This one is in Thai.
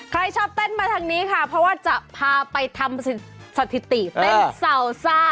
ใครชอบเต้นมาทางนี้ค่ะเพราะว่าจะพาไปทำสถิติเต้นซาวซ่า